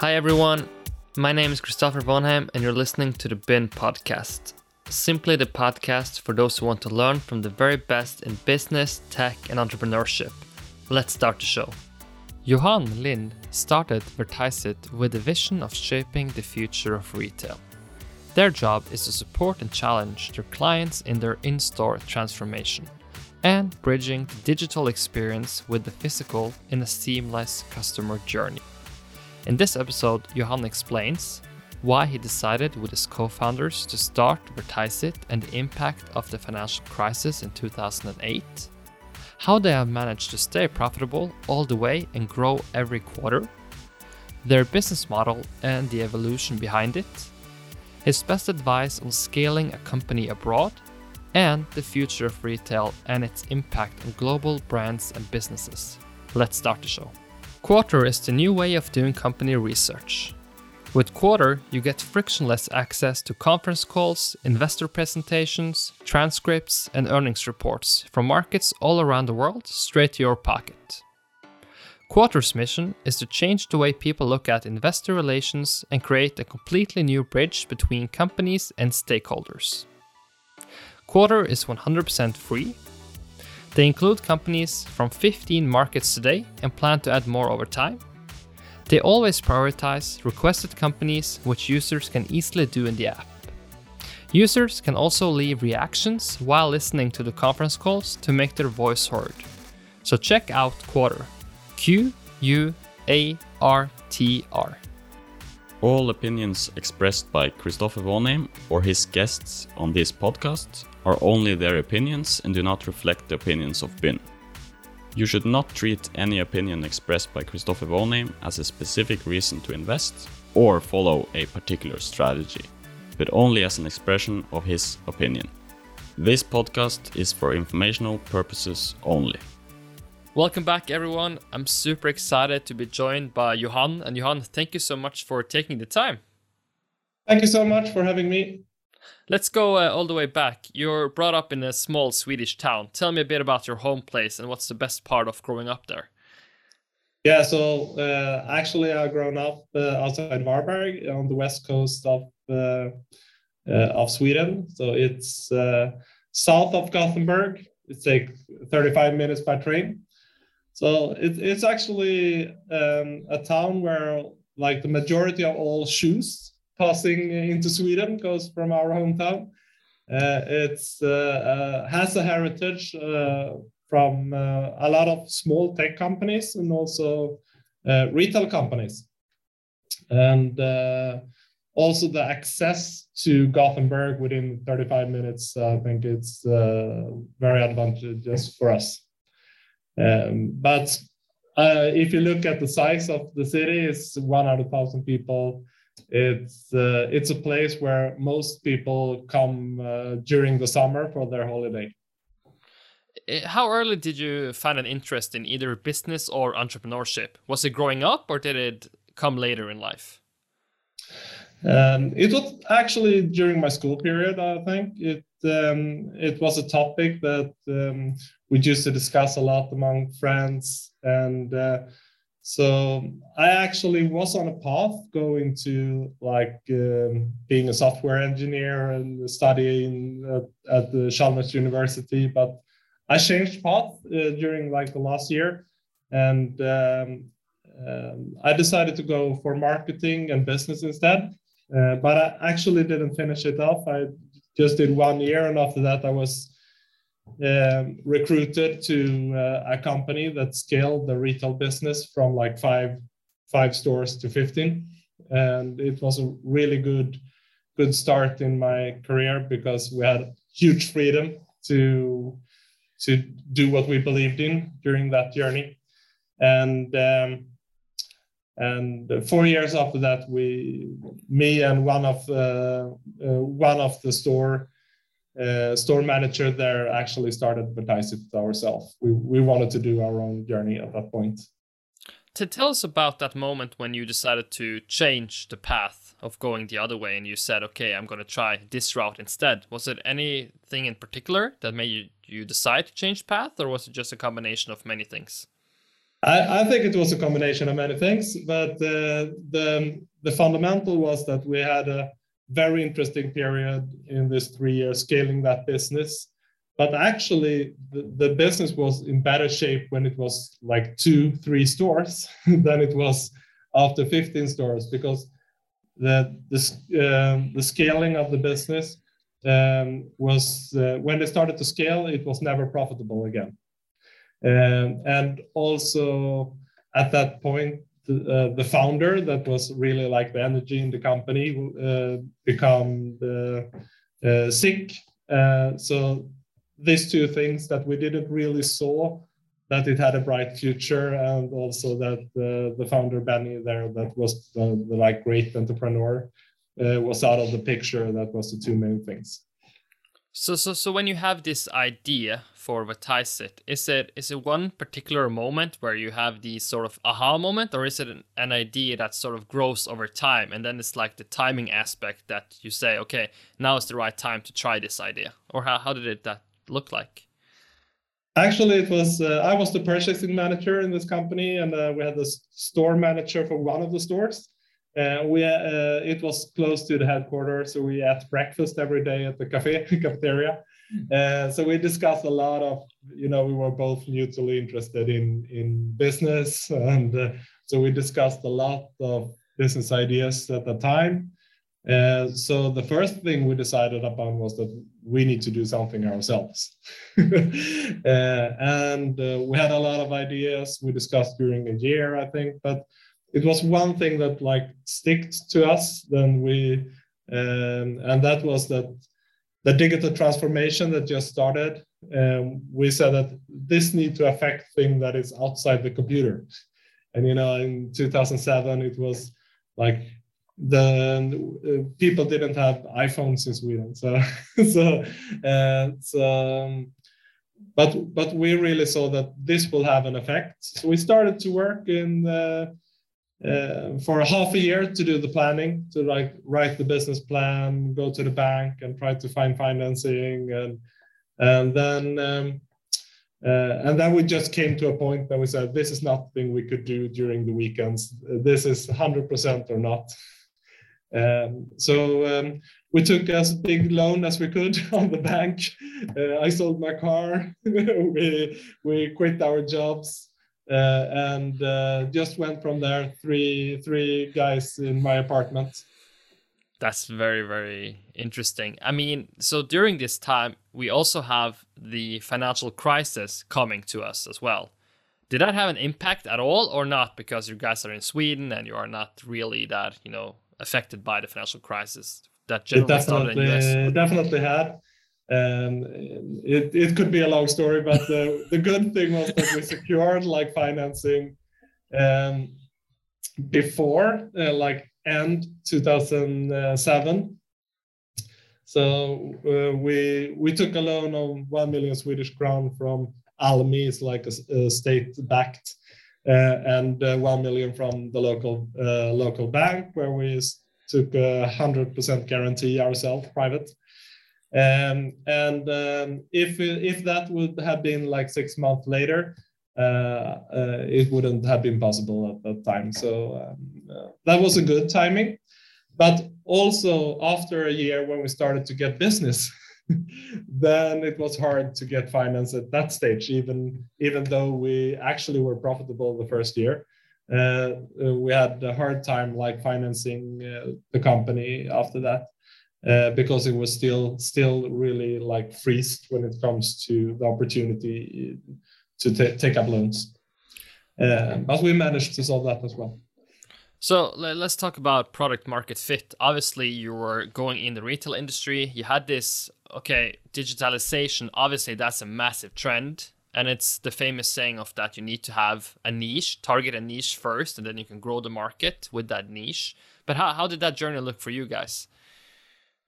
Hi, everyone. My is Christopher Vonheim, and you're listening to the BYNN Podcast. Simply the podcast for those who want to learn from the very best in business, tech, and entrepreneurship. Let's start the show. Johan Lind started Vertiseit with the vision of shaping the future of retail. Their job is to support and challenge their clients in their in-store transformation, and bridging digital experience with the physical in a seamless customer journey. In this episode, Johan explains why he decided with his co-founders to start Vertiseit, and the impact of the financial crisis in 2008. How they have managed to stay profitable all the way and grow every quarter. Their business model and the evolution behind it. His best advice on scaling a company abroad. And the future of retail and its impact on global brands and businesses. Let's start the show. Quartr is the new way of doing company research. With Quartr, you get frictionless access to conference calls, investor presentations, transcripts, and earnings reports from markets all around the world, straight to your pocket. Quartr's mission is to change the way people look at investor relations and create a completely new bridge between companies and stakeholders. Quartr is 100% free. They include companies from 15 markets today, and plan to add more over time. They always prioritize requested companies which users can easily do in the app. Users can also leave reactions while listening to the conference calls to make their voice heard. Check out Quartr. Q-U-A-R-T-R. All opinions expressed by Christopher Vonheim or his guests on this podcast are only their opinions and do not reflect the opinions of Business & Dreams. You should not treat any opinion expressed by Christopher Vonheim as a specific reason to invest or follow a particular strategy, but only as an expression of his opinion. This podcast is for informational purposes only. Welcome back, everyone. I'm super excited to be joined by Johan. Johan, thank you so much for taking the time. Thank you so much for having me. Let's go all the way back. You were brought up in a small Swedish town. Tell me a bit about your home place and what's the best part of growing up there? Yeah. Actually, I grown up outside Varberg on the west coast of Sweden. It's south of Gothenburg. It takes 35 minutes by train. It's actually a town where, like, the majority of all ships passing into Sweden goes from our hometown. It has a heritage from a lot of small tech companies and also retail companies. Also the access to Gothenburg within 35 minutes, I think it's very advantageous for us. If you look at the size of the city, it's 100,000 people. It's a place where most people come during the summer for their holiday. How early did you find an interest in either business or entrepreneurship? Was it growing up or did it come later in life? It was actually during my school period, I think. It was a topic that we used to discuss a lot among friends. I actually was on a path going to, like, being a software engineer and studying at the Chalmers University. I changed path during, like, the last year and I decided to go for marketing and business instead. I actually didn't finish it off. I just did one year, and after that I was recruited to a company that scaled the retail business from, like, five stores to 15. It was a really good start in my career because we had huge freedom to do what we believed in during that journey. Four years after that, me and one of the store managers there actually started Vertiseit ourselves. We wanted to do our own journey at that point. Tell us about that moment when you decided to change the path of going the other way and you said, "Okay, I'm gonna try this route instead." Was it anything in particular that made you decide to change path, or was it just a combination of many things? I think it was a combination of many things, but the fundamental was that we had a very interesting period in this 3-year scaling that business. Actually, the business was in better shape when it was, like, 2, 3 stores than it was after 15 stores because the scaling of the business was when it started to scale, it was never profitable again. Also at that point, the founder that was really, like, the energy in the company become sick. These 2 things that we didn't really saw that it had a bright future, and also that the founder, Benny there, that was the, like, great entrepreneur was out of the picture. That was the 2 main things. When you have this idea for Vertiseit, is it one particular moment where you have the sort of aha moment or is it an idea that sort of grows over time, and then it's like the timing aspect that you say, "Okay, now is the right time to try this idea," or how did it that look like? Actually, it was, I was the purchasing manager in this company, and we had this store manager for one of the stores. It was close to the headquarters, so we had breakfast every day at the cafeteria. Mm. We were both mutually interested in business, and so we discussed a lot of business ideas at the time. The first thing we decided upon was that we need to do something ourselves. We had a lot of ideas we discussed during the year, I think. It was one thing that like sticks with us. That was the digital transformation that just started. We said that this needs to affect things that are outside the computer. You know, in 2007, it was like people didn't have iPhones in Sweden. We really saw that this will have an effect. We started to work, and for half a year to do the planning, like, write the business plan, go to the bank, and try to find financing. Then we just came to a point that we said, "This is not the thing we could do during the weekends. This is 100% or not." We took as big a loan as we could from the bank. I sold my car. We quit our jobs, and just went from there, three guys in my apartment. That's very, very interesting. I mean, during this time, we also have the financial crisis coming to us as well. Did that have an impact at all or not? Because you guys are in Sweden, and you are not really that, you know, affected by the financial crisis that generally started in U.S. It definitely had. It could be a long story. The good thing was that we secured, like, financing before, like, end 2007. We took a loan of 1 million Swedish crown from Almi. It's like a state-backed. And one million from the local bank, where we took 100% guarantee ourselves private. If that would have been, like, six months later, it wouldn't have been possible at that time. That was a good timing. Also, after a year when we started to get business, then it was hard to get finance at that stage. Even though we actually were profitable the first year, we had a hard time, like, financing the company after that, because it was still really, like, frozen when it comes to the opportunity to take up loans. We managed to solve that as well. Let's talk about product market fit. Obviously, you were going in the retail industry. You had this, okay, digitalization. Obviously, that's a massive trend, and it's the famous saying of that you need to have a niche, target a niche first, and then you can grow the market with that niche. How did that journey look for you guys?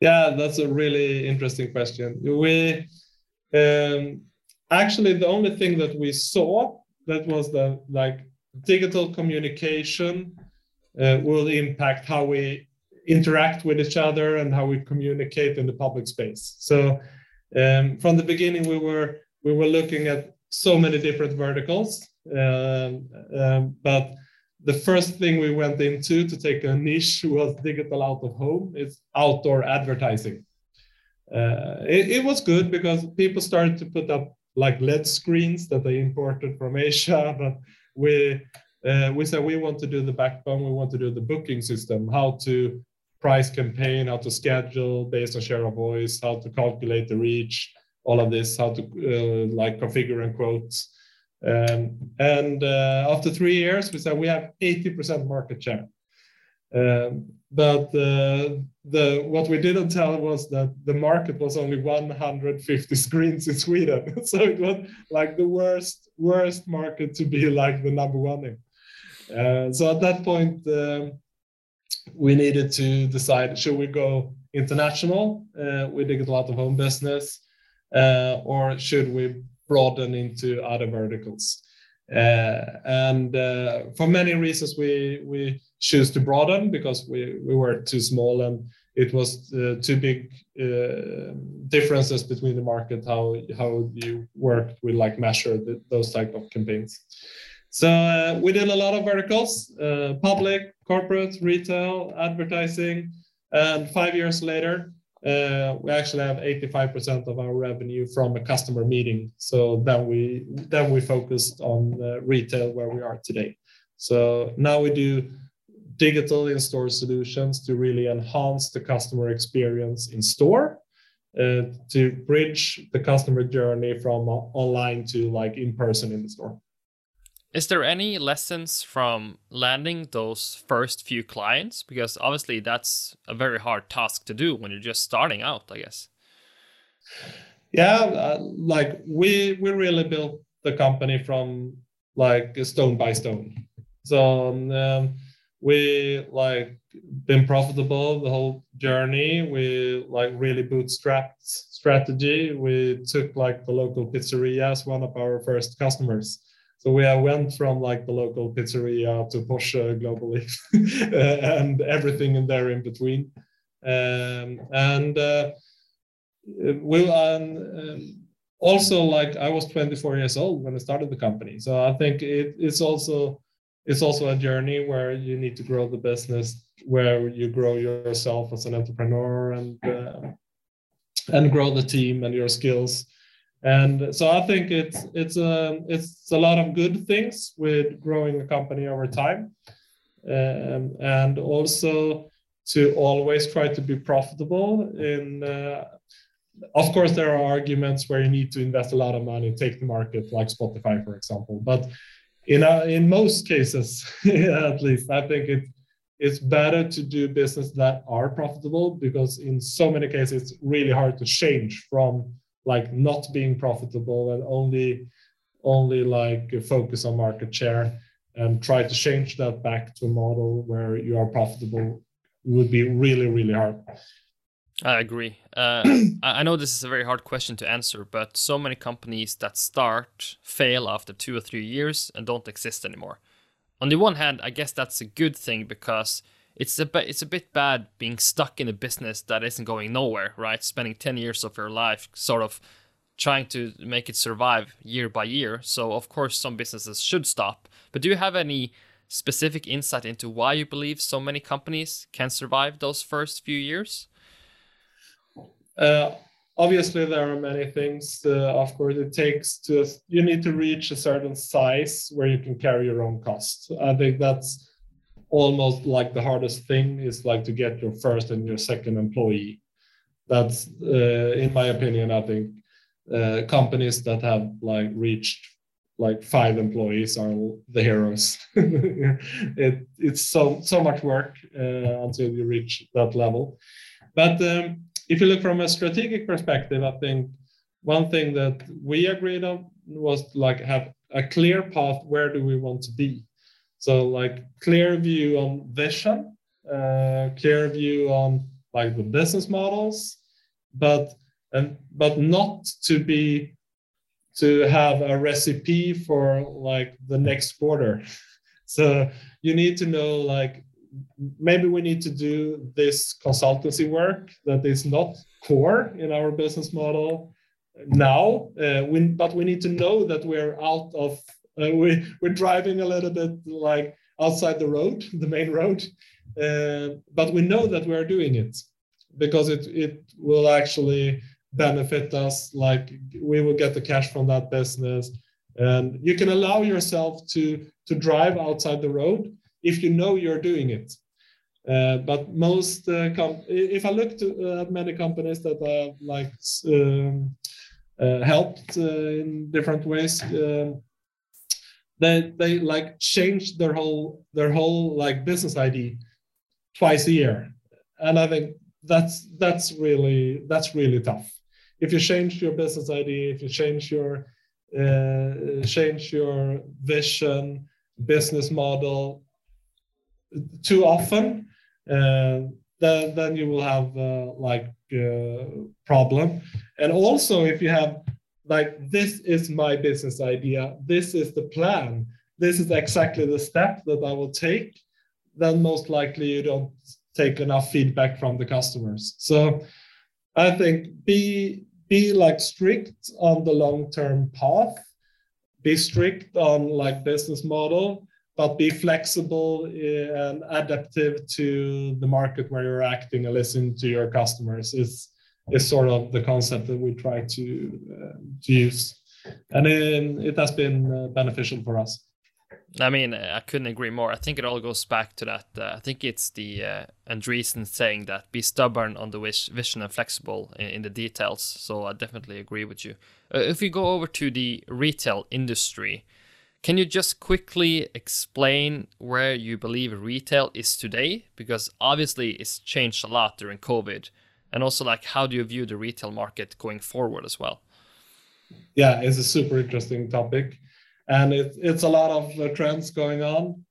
Yeah, that's a really interesting question. We actually, the only thing that we saw that was the, like, digital communication will impact how we interact with each other and how we communicate in the public space. From the beginning, we were looking at so many different verticals. The first thing we went into to take a niche was Digital Out of Home, is outdoor advertising. It was good because people started to put up, like, LED screens that they imported from Asia. We said we want to do the backbone. We want to do the booking system. How to price campaign, how to schedule based on share of voice, how to calculate the reach, all of this. How to, like, configure in quotes. After three years, we said we have 80% market share. What we didn't tell was that the market was only 150 screens in Sweden. It was, like, the worst market to be, like, the number one in. At that point, we needed to decide, should we go international with Digital Out of Home business or should we broaden into other verticals? For many reasons, we choose to broaden because we were too small, and it was too big differences between the market how you work with, like, measure those type of campaigns. We did a lot of verticals. Public, corporate, retail, advertising. Five years later, we actually have 85% of our revenue from a customer meeting, then we focused on the retail, where we are today. Now we do digital in-store solutions to really enhance the customer experience in store, to bridge the customer journey from online to, like, in person in store. Is there any lessons from landing those first few clients? Because obviously that's a very hard task to do when you're just starting out, I guess. Yeah. Like, we really built the company from, like, stone by stone. We like been profitable the whole journey. We like really bootstrapped strategy. We took, like, the local pizzeria as one of our first customers. We went from, like, the local pizzeria to Porsche globally and everything in between. Well, and also, like, I was 24 years old when I started the company. I think it's also a journey where you need to grow the business, where you grow yourself as an entrepreneur and grow the team and your skills. I think it's a lot of good things with growing a company over time and also to always try to be profitable. Of course, there are arguments where you need to invest a lot of money, take the market, like Spotify, for example. You know, in most cases, at least, I think it's better to do business that are profitable, because in so many cases, it's really hard to change from, like, not being profitable and only focus on market share and try to change that back to a model where you are profitable would be really hard. I agree. I know this is a very hard question to answer, but so many companies that start fail after two or three years and don't exist anymore. On the one hand, I guess that's a good thing because it's a bit bad being stuck in a business that isn't going nowhere, right? Spending 10 years of your life sort of trying to make it survive year by year. Of course, some businesses should stop. Do you have any specific insight into why you believe so many companies can't survive those first few years? Obviously, there are many things. Of course, you need to reach a certain size where you can carry your own costs. I think that's almost, like, the hardest thing is, like, to get your first and your second employee. That's, in my opinion, I think, companies that have, like, reached, like, five employees are the heroes. It's so much work until you reach that level. If you look from a strategic perspective, I think one thing that we agreed on was, like, have a clear path where do we want to be. Like, clear view on vision, clear view on, like, the business models, but not to have a recipe for, like, the next quarter. You need to know, like, maybe we need to do this consultancy work that is not core in our business model now, but we need to know that we're driving a little bit, like, outside the road, the main road. We know that we're doing it because it will actually benefit us. Like, we will get the cash from that business. You can allow yourself to drive outside the road if you know you're doing it. If I look to many companies that I've, like, helped in different ways, they, like, change their whole business idea twice a year. I think that's really tough. If you change your business idea, if you change your vision, business model too often, then you will have, like, a problem. Also, if you have, like, this is my business idea, this is the plan, this is exactly the step that I will take, then most likely you don't take enough feedback from the customers. I think be, like, strict on the long-term path, be strict on, like, business model, but be flexible and adaptive to the market where you're acting and listen to your customers is sort of the concept that we try to use. It has been beneficial for us. I mean, I couldn't agree more. I think it all goes back to that. I think it's Andreessen saying that, "Be stubborn on the vision and flexible in the details." I definitely agree with you. If you go over to the retail industry, can you just quickly explain where you believe retail is today? Because obviously it's changed a lot during COVID, and also, like, how do you view the retail market going forward as well? Yeah. It's a super interesting topic, and it's a lot of trends going on.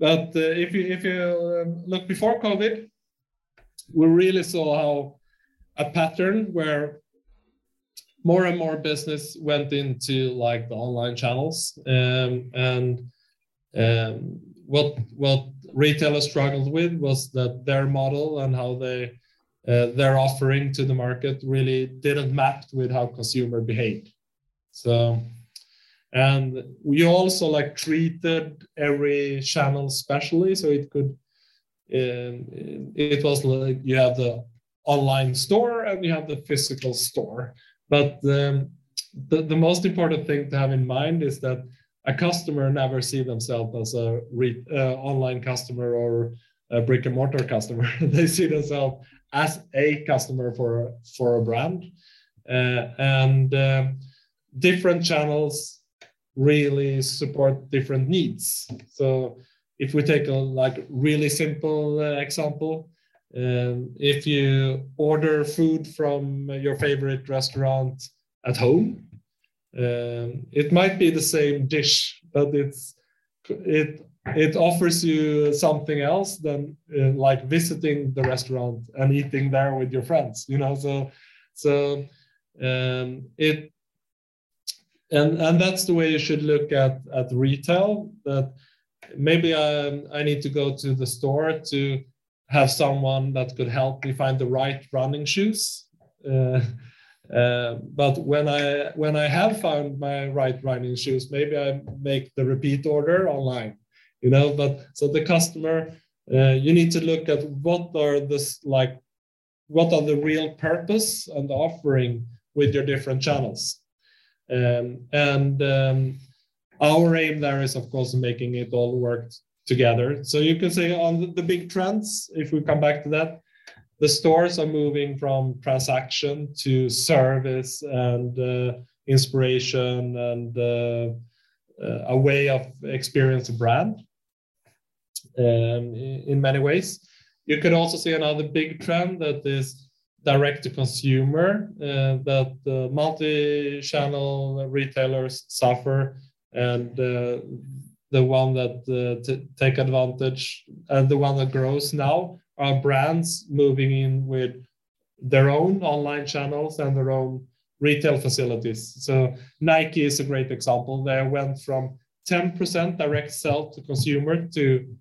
If you look before COVID, we really saw a pattern where more and more business went into, like, the online channels. What retailers struggled with was that their model and how their offering to the market really didn't match with how consumer behaved. We also, like, treated every channel specially. It was like you have the online store, and we have the physical store. The most important thing to have in mind is that a customer never see themself as a online customer or a brick-and-mortar customer. They see themself as a customer for a brand. Different channels really support different needs. If we take a like really simple example, if you order food from your favorite restaurant at home, it might be the same dish, but it offers you something else than like visiting the restaurant and eating there with your friends, you know? That's the way you should look at retail. That maybe I need to go to the store to have someone that could help me find the right running shoes. But when I have found my right running shoes, maybe I make the repeat order online, you know? The customer you need to look at what are the real purpose and offering with your different channels. Our aim there is, of course, making it all work together. You can say on the big trends, if we come back to that, the stores are moving from transaction to service and inspiration and a way of experiencing brand in many ways. You could also see another big trend that is direct to consumer, that the multi-channel retailers suffer and the one that take advantage and the one that grows now are brands moving in with their own online channels and their own retail facilities. Nike is a great example. They went from 10% direct sell to consumer to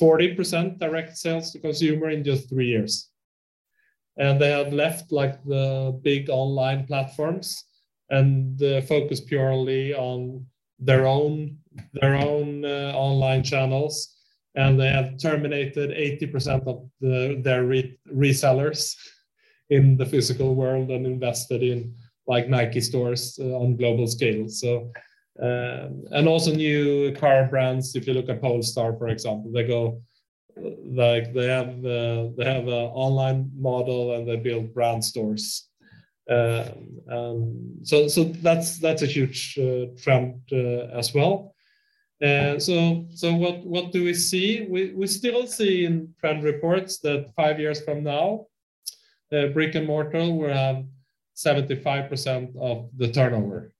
40% direct sales to consumer in just three years. They have left like the big online platforms and they focus purely on their own online channels, and they have terminated 80% of their resellers in the physical world and invested in like Nike stores on global scale. Also new car brands, if you look at Polestar, for example, they go like they have a online model and they build brand stores. That's a huge trend as well. What do we see? We still see in trend reports that five years from now brick and mortar will have 75% of the turnover.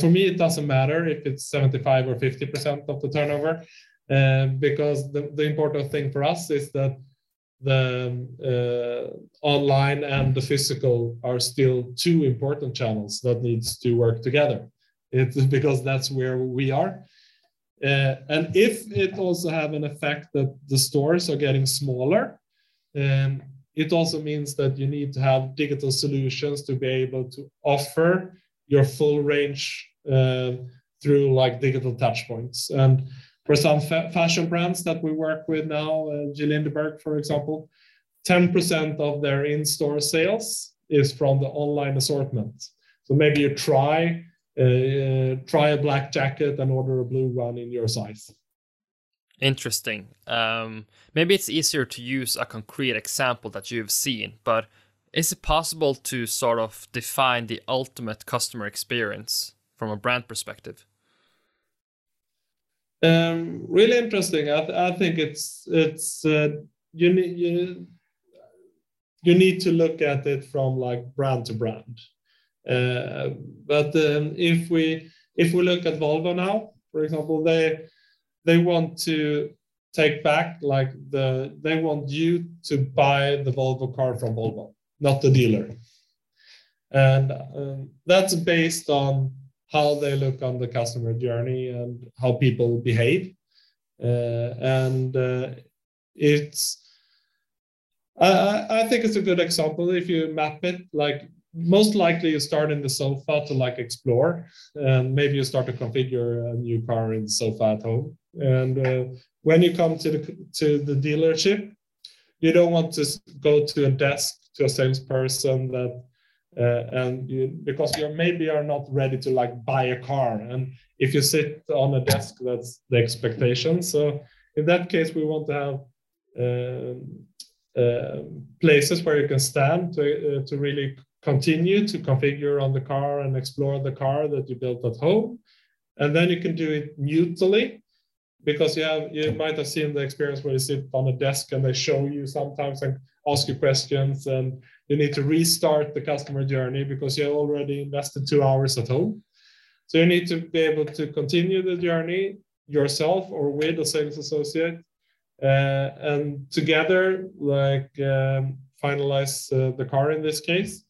For me it doesn't matter if it's 75 or 50% of the turnover, because the important thing for us is that the online and the physical are still two important channels that needs to work together. It's because that's where we are. If it also have an effect that the stores are getting smaller, it also means that you need to have digital solutions to be able to offer your full range through like digital touch points. For some fashion brands that we work with now, J.Lindeberg, for example, 10% of their in-store sales is from the online assortment. Maybe you try a black jacket and order a blue one in your size. Interesting. Maybe it's easier to use a concrete example that you've seen, but is it possible to sort of define the ultimate customer experience from a brand perspective? Really interesting. I think it's you need to look at it from like brand to brand. If we look at Volvo now, for example, they want you to buy the Volvo car from Volvo, not the dealer. That's based on how they look on the customer journey and how people behave. It's I think it's a good example if you map it like most likely you start in the sofa to like explore and maybe you start to configure a new car in sofa at home. When you come to the dealership, you don't want to go to a desk to a salesperson that and you. Because you maybe are not ready to like buy a car, and if you sit at a desk that's the expectation. In that case, we want to have places where you can stand to really continue to configure the car and explore the car that you built at home. You can do it manually because you have, you might have seen the experience where you sit at a desk and they show you something and ask you questions, and you need to restart the customer journey because you already invested two hours at home. You need to be able to continue the journey yourself or with a sales associate and together like finalize the car in this case.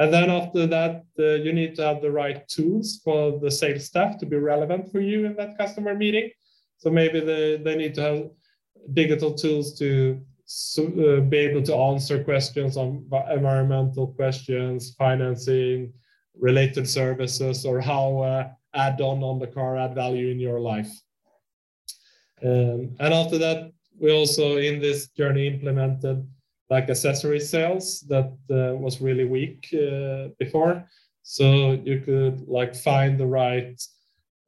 After that, you need to have the right tools for the sales staff to be relevant for you in that customer meeting. Maybe they need to have digital tools to be able to answer questions on environmental questions, financing, related services or how add on the car add value in your life. After that, we also in this journey implemented like accessory sales that was really weak before. You could like find the right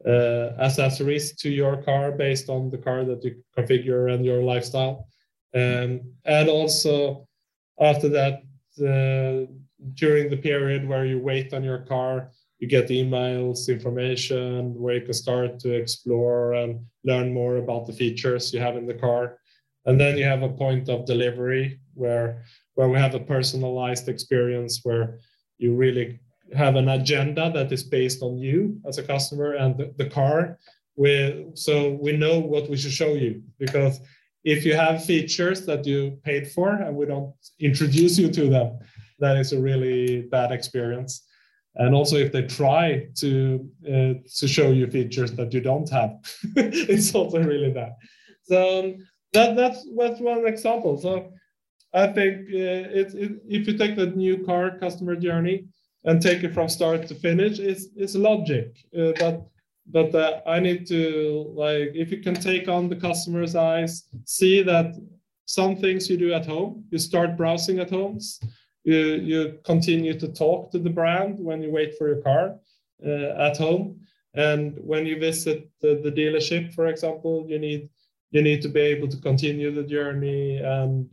accessories to your car based on the car that you configure and your lifestyle. After that, during the period where you wait on your car, you get emails, information where you can start to explore and learn more about the features you have in the car. You have a point of delivery where we have a personalized experience where you really have an agenda that is based on you as a customer and the car. We know what we should show you because if you have features that you paid for and we don't introduce you to them, that is a really bad experience. Also if they try to show you features that you don't have, it's also really bad. That's one example. I think if you take the new car customer journey and take it from start to finish, it's logical. Like, if you can take on the customer's eyes, see that some things you do at home. You start browsing at home. You continue to talk to the brand when you wait for your car at home, and when you visit the dealership, for example, you need to be able to continue the journey and,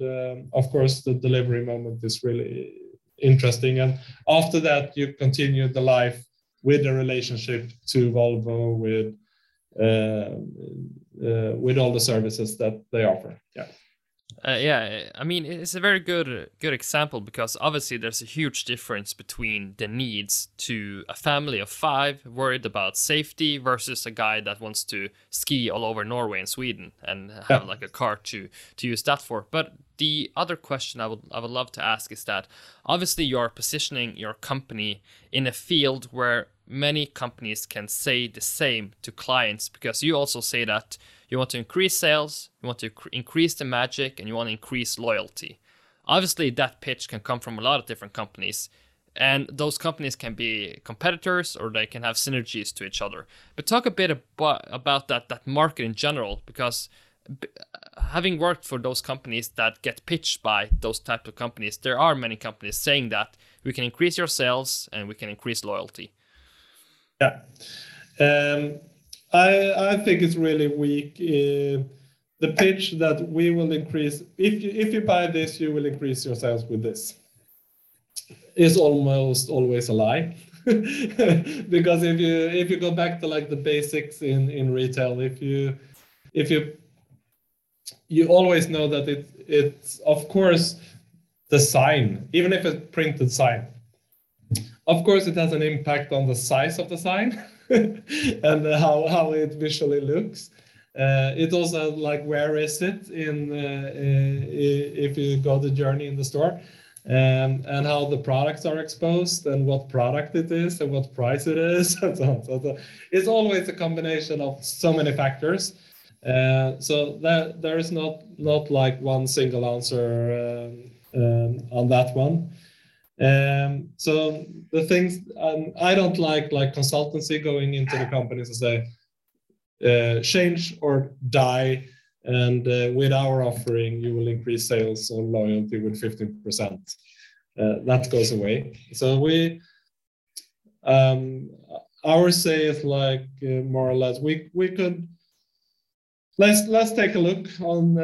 of course, the delivery moment is really interesting. After that, you continue the life with the relationship to Volvo with all the services that they offer. Yeah. I mean, it's a very good example because obviously there's a huge difference between the needs of a family of five worried about safety versus a guy that wants to ski all over Norway and Sweden. Yeah... have, like, a car to use that for. The other question I would love to ask is that obviously you're positioning your company in a field where many companies can say the same to clients because you also say that you want to increase sales, you want to increase the margin, and you want to increase loyalty. Obviously, that pitch can come from a lot of different companies, and those companies can be competitors or they can have synergies to each other. Talk a bit about that market in general because having worked for those companies that get pitched by those type of companies, there are many companies saying that we can increase your sales, and we can increase loyalty. Yeah. I think it's really weak, the pitch that we will increase. If you buy this, you will increase your sales with this, is almost always a lie because if you go back to, like, the basics in retail. You always know that it's of course the sign, even if a printed sign. Of course it has an impact on the size of the sign and how it visually looks. It's also like where is it in, if you go the journey in the store, and how the products are exposed and what product it is and what price it is and so on. It's always a combination of so many factors. There is not like one single answer on that one. The things I don't like consultants going into the companies and saying, "Change or die and with our offering you will increase sales or loyalty with 15%." That goes away. Our way is like, more or less, let's take a look on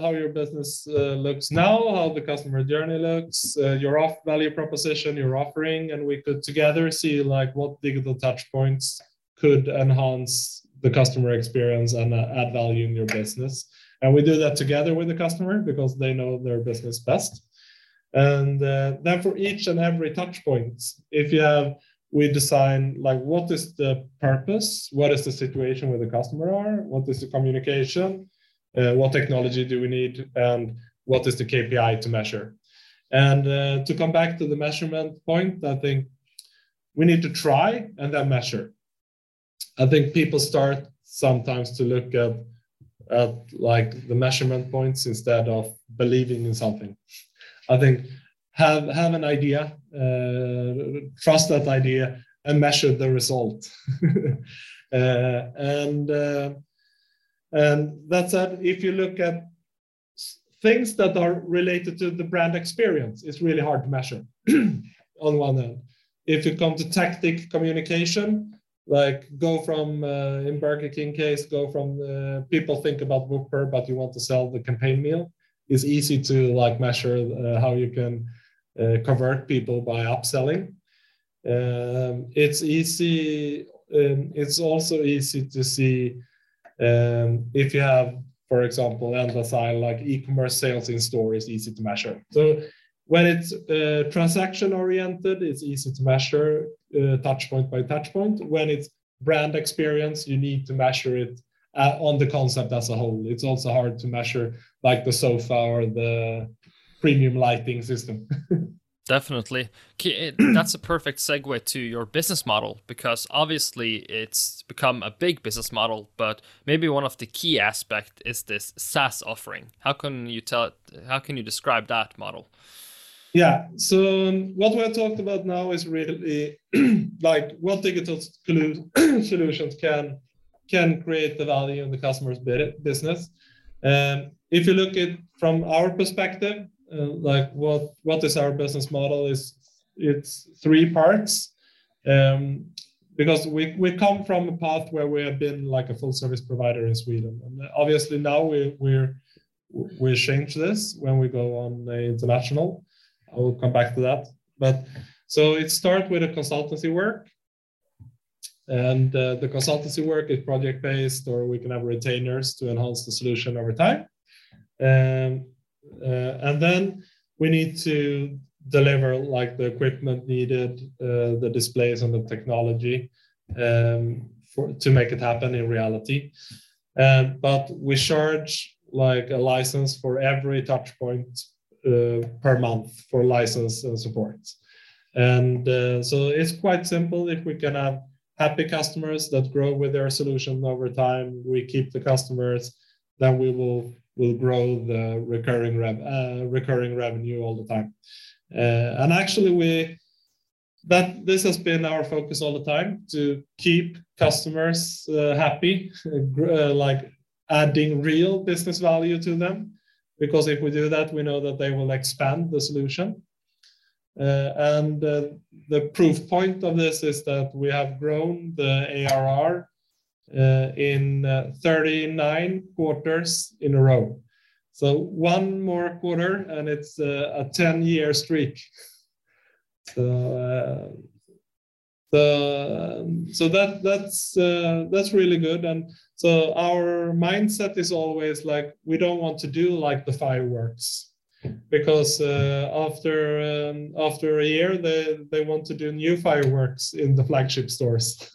how your business looks now, how the customer journey looks, your value proposition, your offering, and we could together see, like, what digital touch points could enhance the customer experience and add value in your business. We do that together with the customer because they know their business best. For each and every touch points we design, like, what is the purpose? What is the situation where the customer are? What is the communication? What technology do we need? What is the KPI to measure? To come back to the measurement point, I think we need to try and then measure. I think people start sometimes to look at, like, the measurement points instead of believing in something. I think have an idea, trust that idea, and measure the result. That said, if you look at things that are related to the brand experience, it's really hard to measure on one end. If it comes to tactical communication, like, in the Burger King case, people think about Whopper, but you want to sell the campaign meal, it's easy to, like, measure how you can convert people by upselling. It's easy, it's also easy to see if you have, for example, Mm-hmm. like e-commerce sales in store is easy to measure. When it's transaction oriented, it's easy to measure touchpoint by touchpoint. When it's brand experience, you need to measure it on the concept as a whole. It's also hard to measure, like the sofa or the premium lighting system. Definitely. That's a perfect segue to your business model because obviously it's become a big business model, but maybe one of the key aspect is this SaaS offering. How can you describe that model? Yeah. What we have talked about now is really, like what digital solutions can create the value in the customer's business. If you look at from our perspective, like what is our business model is it's three parts. Because we come from a path where we have been like a full service provider in Sweden. Obviously now we change this when we go on the international. I will come back to that. It start with a consultancy work, and the consultancy work is project based or we can have retainers to enhance the solution over time. And then we need to deliver like the equipment needed, the displays and the technology, to make it happen in reality. We charge like a license for every touch point per month for license and support. It's quite simple. If we can have happy customers that grow with our solution over time, we keep the customers, then we will grow the recurring revenue all the time. Actually this has been our focus all the time, to keep customers happy like adding real business value to them. Because if we do that, we know that they will expand the solution. The proof point of this is that we have grown the ARR in 39 quarters in a row. One more quarter, and it's a 10-year streak. That's really good. Our mindset is always, like, we don't want to do, like, the fireworks because after a year, they want to do new fireworks in the flagship stores.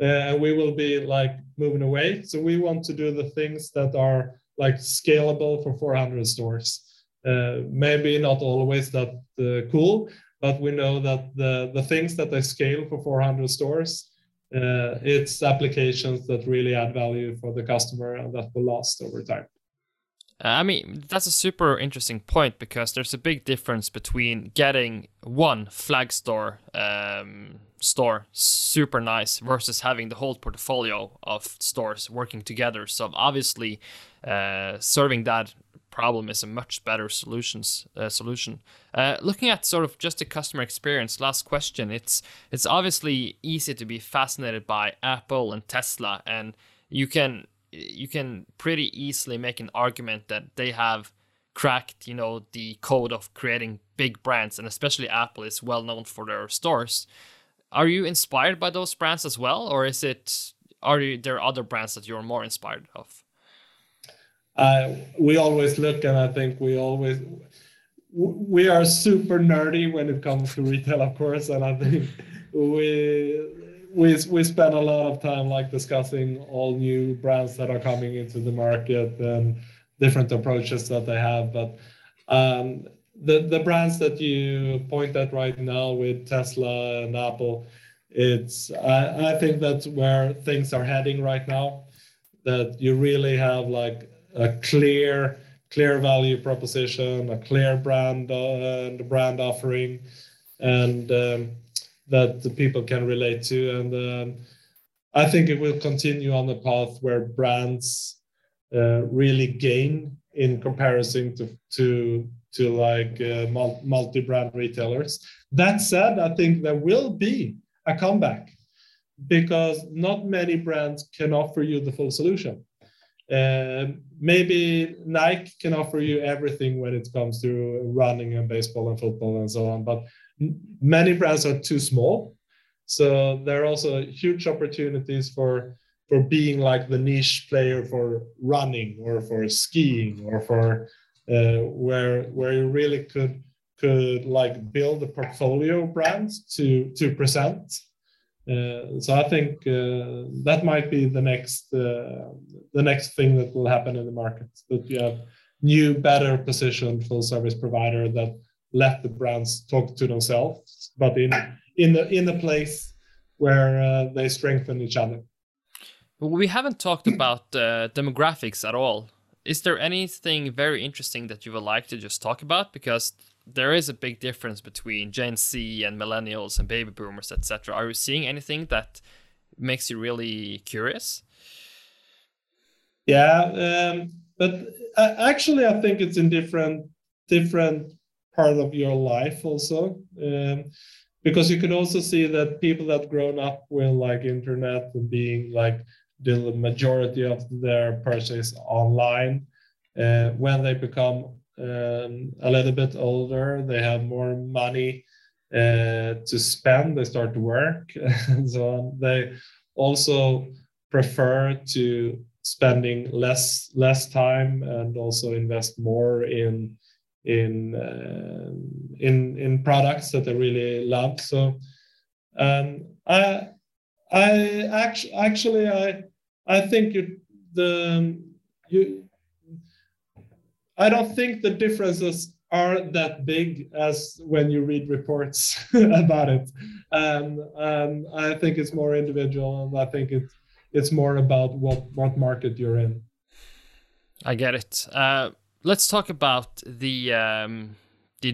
We will be, like, moving away, so we want to do the things that are, like, scalable for 400 stores. Maybe not always that cool, but we know that the things that they scale for 400 stores, it's applications that really add value for the customer and that will last over time. I mean, that's a super interesting point because there's a big difference between getting one flagship store super nice versus having the whole portfolio of stores working together. Obviously, serving that problem is a much better solution. Looking at sort of just the customer experience, last question. It's obviously easy to be fascinated by Apple and Tesla, and you can pretty easily make an argument that they have cracked, you know, the code of creating big brands, and especially Apple is well known for their stores. Are you inspired by those brands as well, or are there other brands that you're more inspired by? We are super nerdy when it comes to retail, of course. I think we spend a lot of time, like, discussing all new brands that are coming into the market and different approaches that they have. The brands that you point at right now with Tesla and Apple, it's, I think, that's where things are heading right now, that you really have like a clear value proposition, a clear brand offering, and that the people can relate to. I think it will continue on the path where brands really gain in comparison to, like, multi-brand retailers. That said, I think there will be a comeback because not many brands can offer you the full solution. Maybe Nike can offer you everything when it comes to running and baseball and football and so on, but many brands are too small. There are also huge opportunities for being like the niche player for running or for skiing or for where you really could like build a portfolio of brands to present. I think that might be the next thing that will happen in the market. You have new, better positioned full service provider that let the brands talk to themselves, but in the place where they strengthen each other. We haven't talked about demographics at all. Is there anything very interesting that you would like to just talk about? Because there is a big difference between Gen Z and millennials and baby boomers, et cetera. Are you seeing anything that makes you really curious? Yeah. Actually, I think it's in different part of your life also. Because you can also see that people that've grown up with, like, internet and being, like, doing the majority of their purchase online, when they become a little bit older, they have more money to spend, they start to work and so on, they also prefer to spending less time and also invest more in products that they really love. Actually, I don't think the differences are that big as when you read reports about it. I think it's more individual, and I think it's more about what market you're in. I get it. Let's talk about the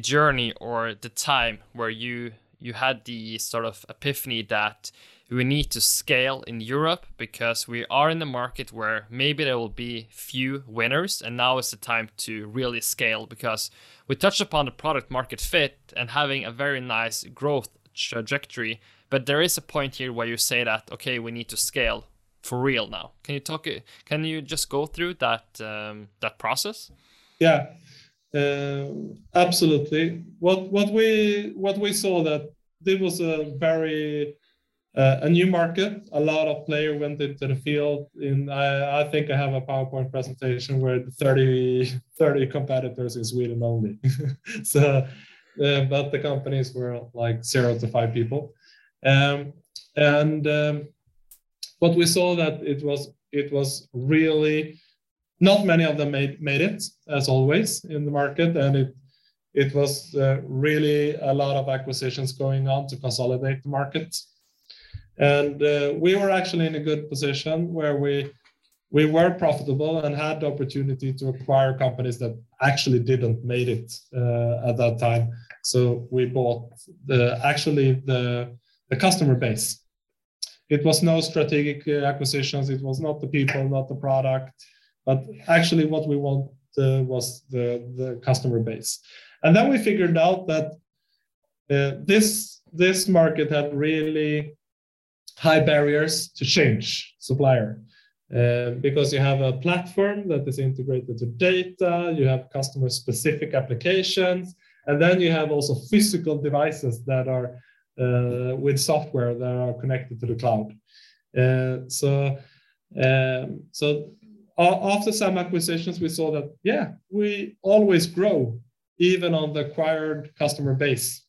journey or the time where you had the sort of epiphany that we need to scale in Europe because we are in the market where maybe there will be few winners, and now is the time to really scale. Because we touched upon the product market fit and having a very nice growth trajectory, but there is a point here where you say that, "Okay, we need to scale for real now." Can you just go through that process? Yeah. Absolutely. What we saw that there was a very a new market, a lot of players went into the field, and I think I have a PowerPoint presentation with 30 competitors in Sweden only. The companies were, like, 0-5 people. We saw that it was really not many of them made it, as always, in the market, and it was really a lot of acquisitions going on to consolidate the market. We were actually in a good position where we were profitable and had the opportunity to acquire companies that actually didn't make it at that time. We bought actually the customer base. It was not strategic acquisitions. It was not the people, not the product, but actually what we want was the customer base. We figured out that this market had really high barriers to change supplier, because you have a platform that is integrated to data, you have customer-specific applications, and then you have also physical devices that are with software that are connected to the cloud. After some acquisitions, we saw that, yeah, we always grow even on the acquired customer base.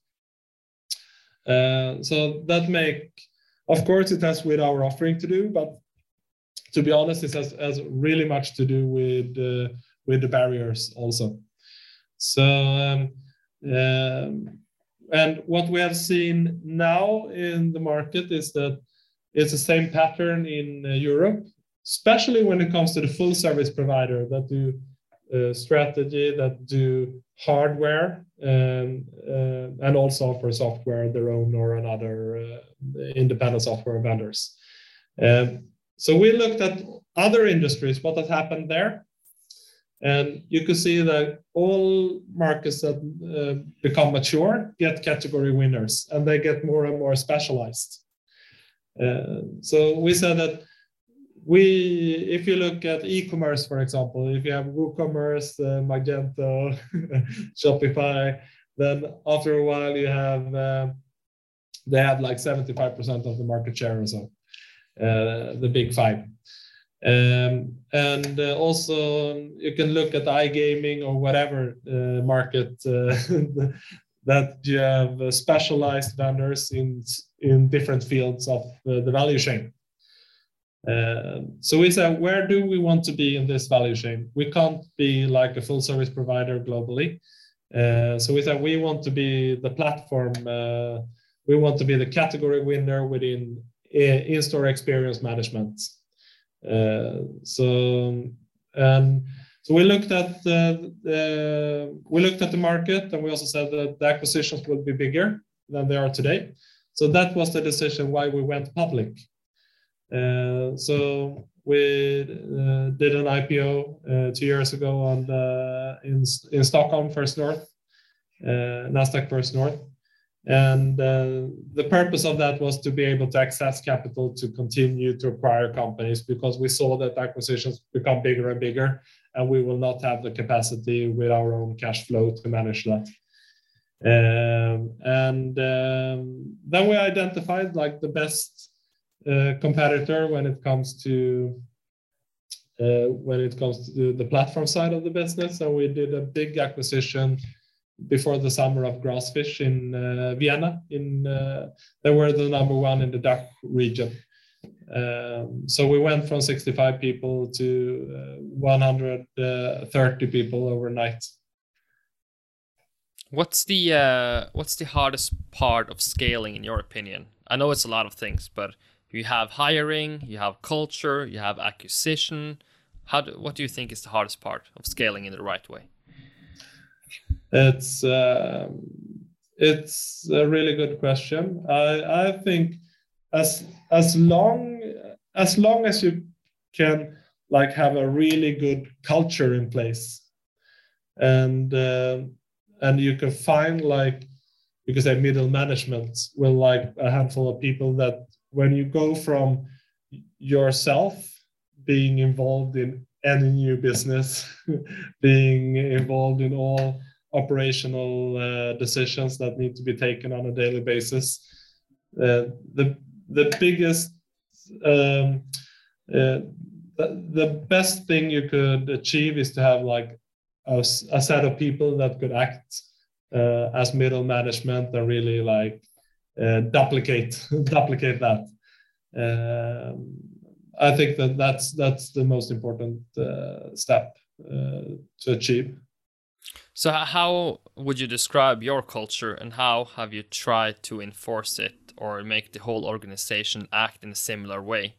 That makes. Of course, it has to do with our offering, but to be honest, this has really much to do with the barriers also. What we have seen now in the market is that it's the same pattern in Europe, especially when it comes to the full service provider that do strategy, that do hardware, and also offer software of their own or another independent software vendors. We looked at other industries, what has happened there, and you could see that all markets that become mature get category winners, and they get more and more specialized. We said that if you look at e-commerce, for example, if you have WooCommerce, Magento, Shopify, then after a while they have like 75% of the market share or so, the big five. Also you can look at iGaming or whatever market that you have specialized vendors in different fields of the value chain. We say, "Where do we want to be in this value chain? We can't be like a full service provider globally." We said, "We want to be the platform. We want to be the category winner within In-store Experience Management." We looked at the market, and we also said that the acquisitions will be bigger than they are today. That was the decision why we went public. We did an IPO two years ago on Nasdaq First North in Stockholm. The purpose of that was to be able to access capital to continue to acquire companies because we saw that acquisitions become bigger and bigger, and we will not have the capacity with our own cash flow to manage that. Then we identified, like, the best competitor when it comes to the platform side of the business. We did a big acquisition before the summer of Grassfish in Vienna. They were the number one in the DACH region. We went from 65 people to 130 people overnight. What's the hardest part of scaling in your opinion? I know it's a lot of things, but you have hiring, you have culture, you have acquisition. What do you think is the hardest part of scaling in the right way? It's a really good question. I think as long as you can, like, have a really good culture in place and you can find like, you could say middle management with, like, a handful of people that when you go from yourself being involved in any new business, being involved in all operational decisions that need to be taken on a daily basis, the best thing you could achieve is to have like a set of people that could act as middle management and really like, duplicate that. I think that's the most important step to achieve. How would you describe your culture, and how have you tried to enforce it or make the whole organization act in a similar way?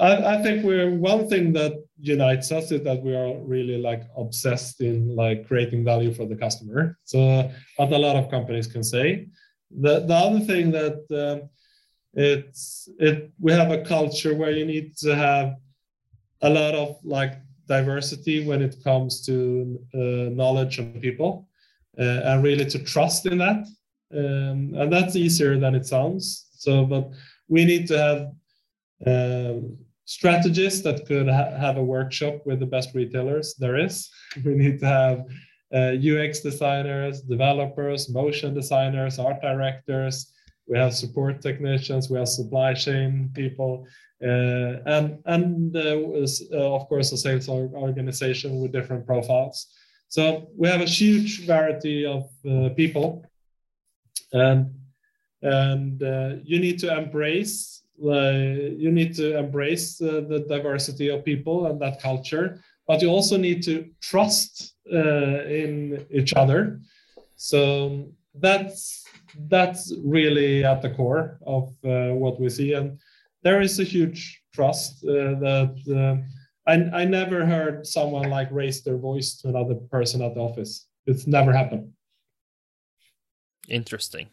One thing that unites us is that we are really, like, obsessed in, like, creating value for the customer, but a lot of companies can say. The other thing that we have a culture where you need to have a lot of, like, diversity when it comes to knowledge of people, and really to trust in that. That's easier than it sounds. We need to have strategists that could have a workshop with the best retailers there is. We need to have UX designers, developers, motion designers, art directors. We have support technicians. We have supply chain people. Of course, a sales organization with different profiles. We have a huge variety of people. You need to embrace the diversity of people and that culture, but you also need to trust in each other. That's really at the core of what we see, and there is a huge trust. I never heard someone like raise their voice to another person at the office. It's never happened. Interesting.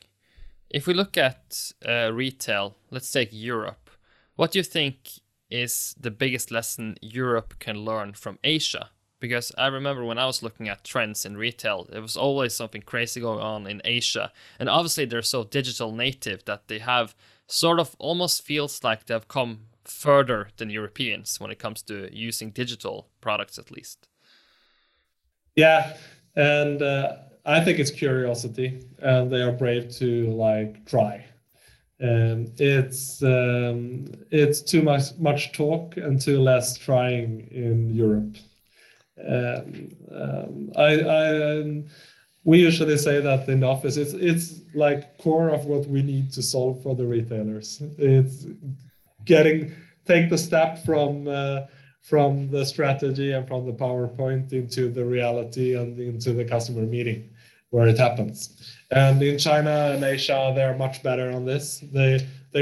If we look at retail, let's take Europe. What do you think is the biggest lesson Europe can learn from Asia? Because I remember when I was looking at trends in retail, there was always something crazy going on in Asia, and obviously they're so digital native that they have sort of almost feels like they have come further than Europeans when it comes to using digital products at least. Yeah. I think it's curiosity, and they are brave to, like, try. It's too little talk and too little trying in Europe. We usually say that in the office. It's, like, core of what we need to solve for the retailers. Take the step from the strategy and from the PowerPoint into the reality and into the customer meeting where it happens. In China and Asia, they're much better on this. They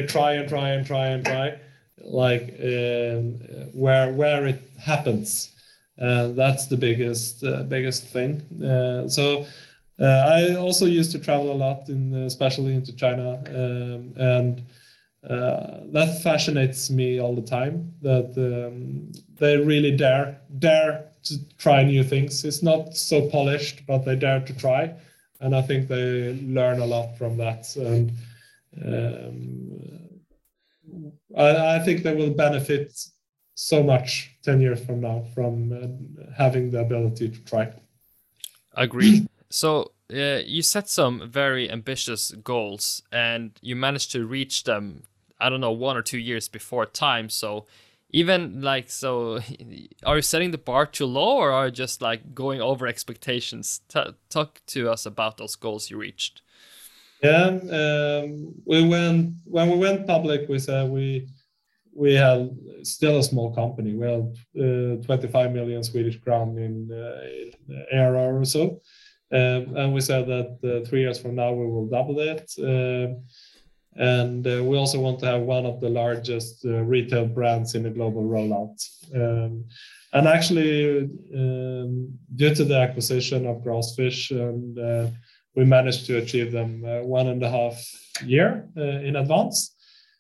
try and try and try and try, like, where it happens. That's the biggest thing. I also used to travel a lot, especially into China, and that fascinates me all the time, that they really dare to try new things. It's not so polished, but they dare to try, and I think they learn a lot from that. I think they will benefit so much 10 years from now from having the ability to try. Agree. You set some very ambitious goals, and you managed to reach them, I don't know, one or two years ahead of time. Even, like, are you setting the bar too low or are you just, like, going over expectations? Talk to us about those goals you reached. Yeah. When we went public, we said we had still a small company. We had 25 million Swedish crown in ARR or so. We said that three years from now we will double it. We also want to have one of the largest retail brands in the global rollout. Actually, due to the acquisition of Grassfish we managed to achieve them one and a half year in advance.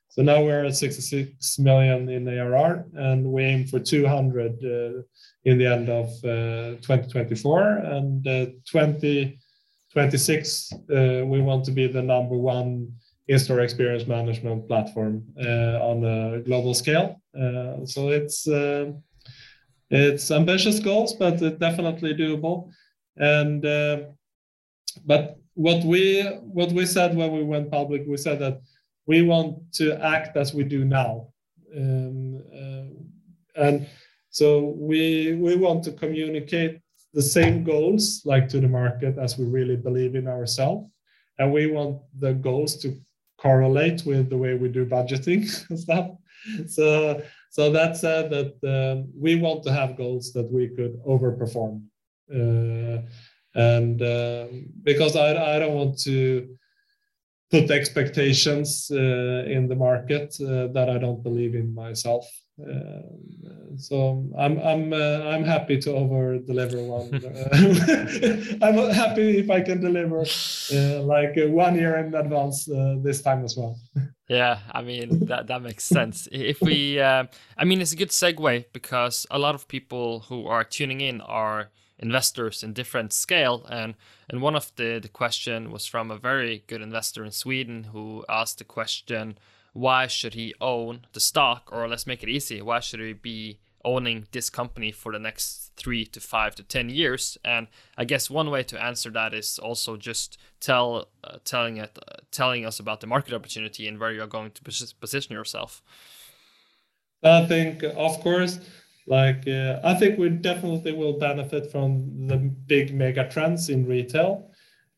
So now we're at 66 million in ARR, and we aim for 200 million in the end of 2024. 2026 we want to be the number one In-Store Experience Management platform on a global scale. It's ambitious goals, but definitely doable. what we said when we went public, we said that we want to act as we do now. we want to communicate the same goals, like, to the market as we really believe in ourselves, and we want the goals to correlate with the way we do budgeting and stuff. that said, we want to have goals that we could overperform. because I don't want to put expectations in the market that I don't believe in myself. I'm happy to overdeliver on. I'm happy if I can deliver, like one year in advance, this time as well. Yeah. I mean, that makes sense. If we, I mean, it's a good segue because a lot of people who are tuning in are investors in different scale and one of the question was from a very good investor in Sweden who asked the question, why should he own the stock? Or let's make it easy, why should he be owning this company for the next 3 to 5 to 10 years? I guess one way to answer that is also just tell us about the market opportunity and where you're going to position yourself. I think of course, like, we definitely will benefit from the big mega trends in retail.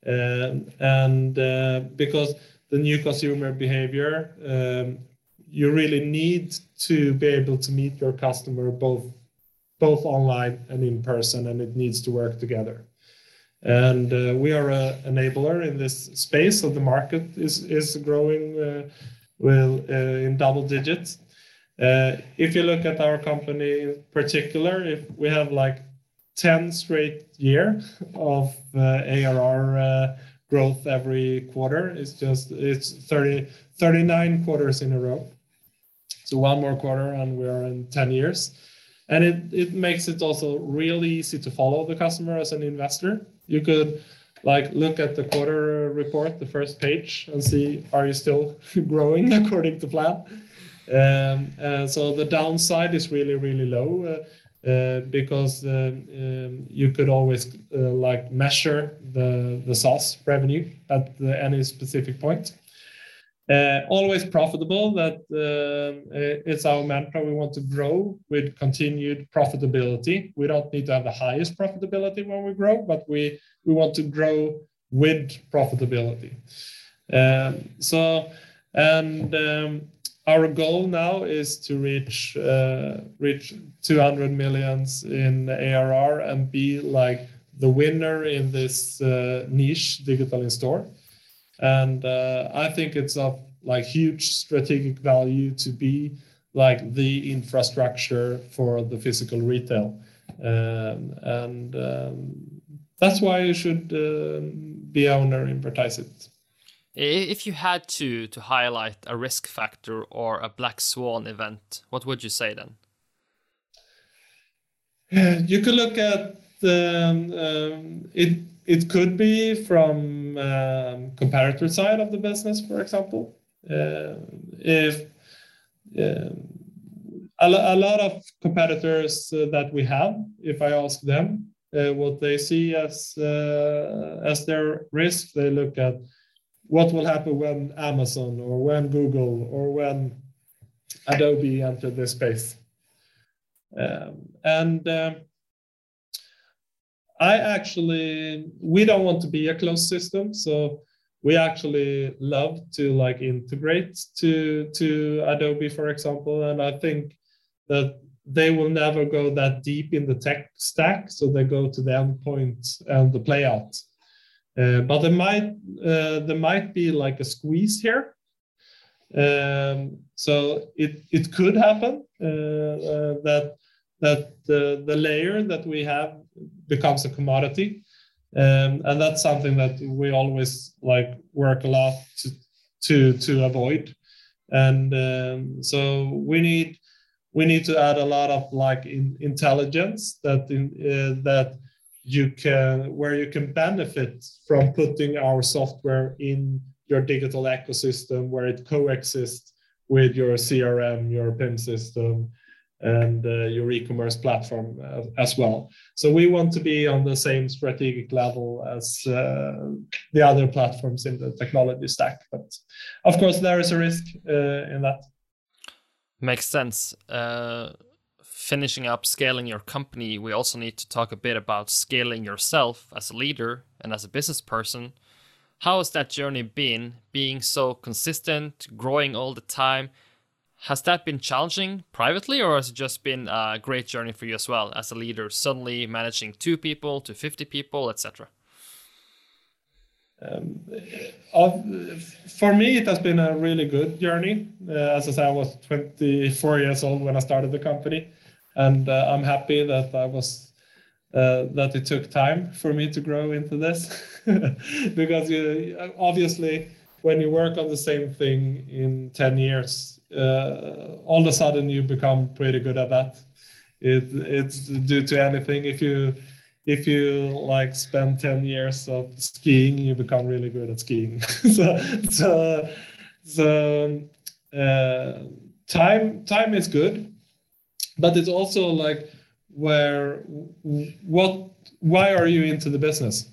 Because the new consumer behavior, you really need to be able to meet your customer both online and in person, and it needs to work together. We are an enabler in this space, so the market is growing well in double digits. If you look at our company in particular, if we have, like, 10 straight years of ARR growth every quarter, it's 30, 39 quarters in a row. One more quarter and we are in 10 years. It makes it also really easy to follow the customer as an investor. You could, like, look at the quarterly report, the first page, and see if you are still growing according to plan. The downside is really, really low, because you could always, like, measure the SaaS revenue at any specific point. Always profitable. That's our mantra. We want to grow with continued profitability. We don't need to have the highest profitability when we grow, but we want to grow with profitability. Our goal now is to reach 200 million in ARR and be, like, the winner in this niche digital in-store. I think it's of, like, huge strategic value to be, like, the infrastructure for the physical retail. That's why you should be owner in Vertiseit. If you had to highlight a risk factor or a black swan event, what would you say then? It could be from the competitor side of the business, for example. If a lot of competitors that we have, if I ask them what they see as their risk, they look at what will happen when Amazon or when Google or when Adobe enter this space. We don't want to be a closed system, so we actually love to, like, integrate to Adobe, for example. I think that they will never go that deep in the tech stack, so they go to the endpoint and the playout. There might be, like, a squeeze here. It could happen that the layer that we have becomes a commodity. That's something that we always, like, work a lot to avoid. We need to add a lot of, like, intelligence where you can benefit from putting our software in your digital ecosystem, where it coexists with your CRM, your PIM system, and your e-commerce platform as well. We want to be on the same strategic level as the other platforms in the technology stack. Of course, there is a risk in that. Makes sense. Finishing up scaling your company, we also need to talk a bit about scaling yourself as a leader and as a business person. How has that journey been, being so consistent, growing all the time? Has that been challenging privately, or has it just been a great journey for you as well as a leader, suddenly managing 2 people to 50 people, et cetera? For me, it has been a really good journey. As I said, I was 24 years old when I started the company, and I'm happy that it took time for me to grow into this. Because obviously, when you work on the same thing in 10 years, all of a sudden you become pretty good at that. It's due to anything. If you like, spend 10 years of skiing, you become really good at skiing. So time is good, but it's also like, what, why are you into the business?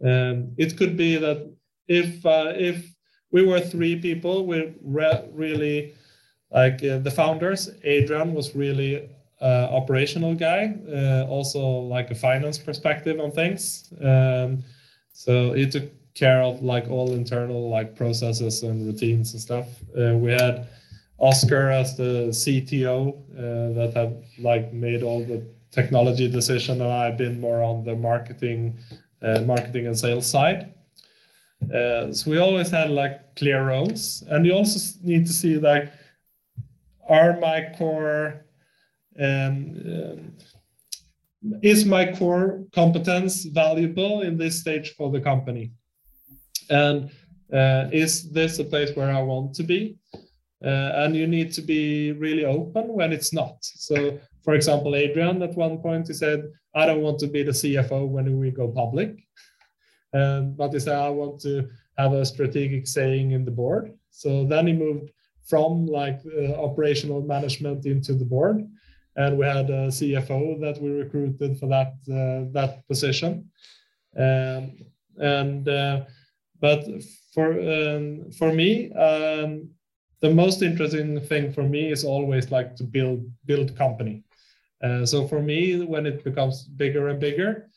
It could be that if we were three people, we're really like the founders. Adrian was really a operational guy, also like a finance perspective on things. He took care of, like, all internal, like, processes and routines and stuff. We had Oscar as the CTO, that have, like, made all the technology decision, and I've been more on the marketing and sales side. We always had, like, clear roles. You also need to see, like, is my core competence valuable in this stage for the company? Is this a place where I want to be? You need to be really open when it's not. For example, Adrian, at one point he said, "I don't want to be the CFO when we go public." But he said, "I want to have a strategic say in the board." Then he moved from, like, operational management into the board, and we had a CFO that we recruited for that position. But for me, the most interesting thing for me is always, like, to build company. For me, when it becomes bigger and bigger,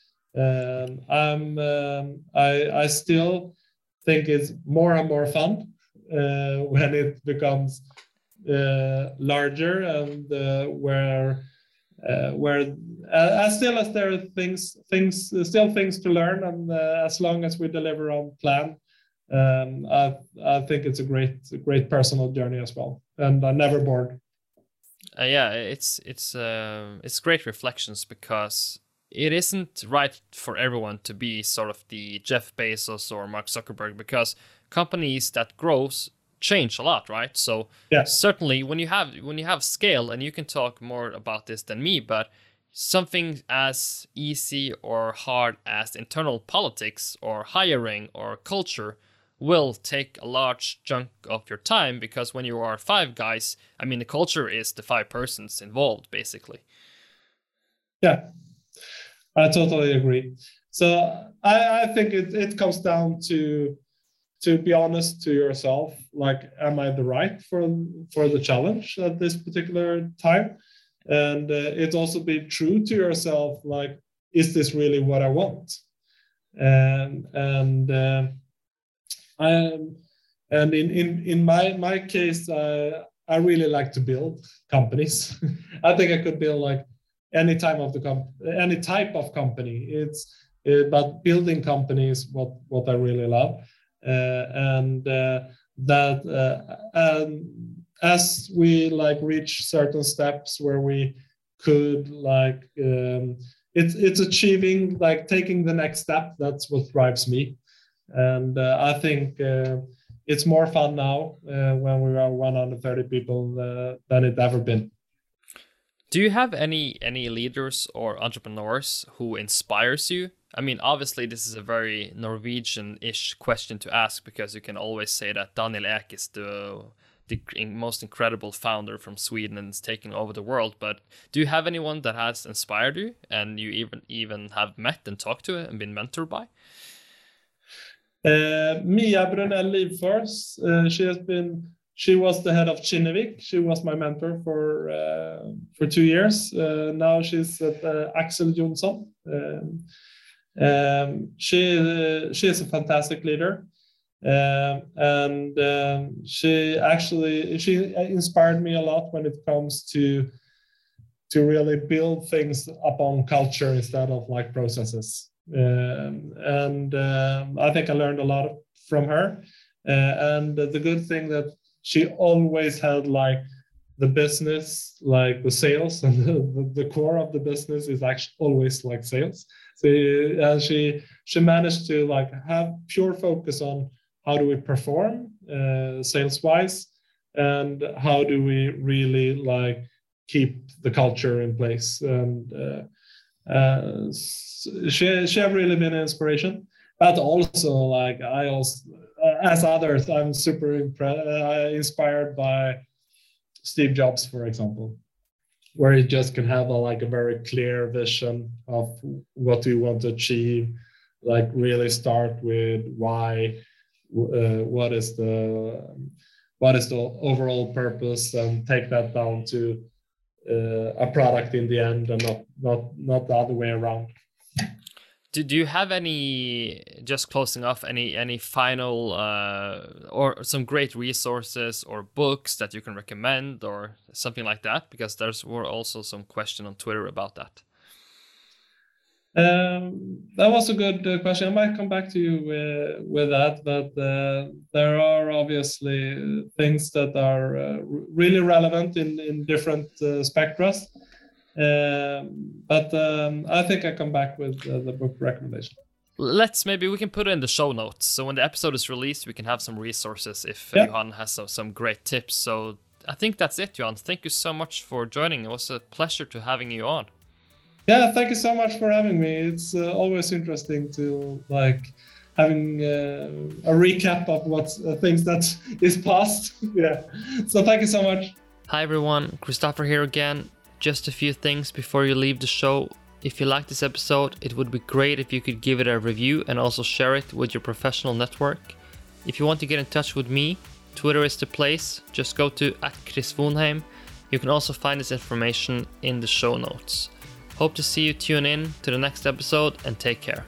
I still think it's more and more fun when it becomes larger and where... As long as there are things to learn and as long as we deliver on plan, I think it's a great personal journey as well, and I'm never bored. Yeah. It's great reflections because it isn't right for everyone to be sort of the Jeff Bezos or Mark Zuckerberg, because companies that grows change a lot, right? Yes Certainly, when you have scale, and you can talk more about this than me, but something as easy or hard as internal politics or hiring or culture will take a large chunk of your time, because when you are five guys, I mean, the culture is the five persons involved, basically. Yeah. I totally agree. I think it comes down to be honest to yourself. Like, am I right for the challenge at this particular time? It's also be true to yourself, like, is this really what I want? And in my case, I really like to build companies. I think I could build, like, any type of company. It's but building company is what I really love. And that, as we like reach certain steps where we could, like, It's achieving, like, taking the next step, that's what drives me. I think it's more fun now when we are 130 people than it ever been. Do you have any leaders or entrepreneurs who inspires you? I mean, obviously this is a very Norwegian-ish question to ask, because you can always say that Daniel Ek is the innermost incredible founder from Sweden and is taking over the world. Do you have anyone that has inspired you, and you even have met and talked to and been mentored by? Mia Brunell Livfors. She was the head of Kinnevik. She was my mentor for two years. Now she's at Axel Johnson. She's a fantastic leader. She actually inspired me a lot when it comes to really build things up on culture instead of, like, processes. I think I learned a lot from her. The good thing that she always had, like, the business, like the sales and the core of the business is always, like, sales. She managed to, like, have pure focus on how do we perform sales-wise, and how do we really, like, keep the culture in place. She have really been an inspiration. Also, like, I also, as others, I'm super inspired by Steve Jobs, for example, where he just can have a, like, a very clear vision of what you want to achieve. Like, really start with why, what is the overall purpose, and take that down to a product in the end, and not the other way around. Just closing off, any final or some great resources or books that you can recommend or something like that? Because there were also some questions on Twitter about that. That was a good question. I might come back to you with that. There are obviously things that are really relevant in different sectors. I think I come back with the book recommendation. Maybe we can put it in the show notes, so when the episode is released, we can have some resources if Yeah Johan has some great tips. I think that's it, Johan. Thank you so much for joining. It was a pleasure to having you on. Yeah. Thank you so much for having me. It's always interesting to, like, having a recap of what things that is passed. Yeah. Thank you so much. Hi, everyone. Christopher here again. Just a few things before you leave the show. If you liked this episode, it would be great if you could give it a review and also share it with your professional network. If you want to get in touch with me, Twitter is the place. Just go to @chrisvondheim. You can also find this information in the show notes. I hope to see you tune in to the next episode, and take care.